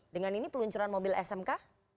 dengan ini peluncuran mobil smk